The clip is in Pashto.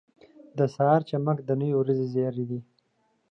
• د سهار چمک د نوې ورځې زیری دی.